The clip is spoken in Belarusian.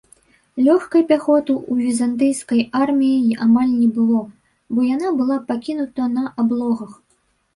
Лёгкай пяхоты ў візантыйскай арміі амаль не было, бо яна была пакінута на аблогах.